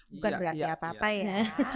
bukan berarti apa apa ya